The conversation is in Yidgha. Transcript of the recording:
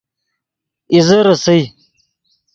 اِیزے ریسئے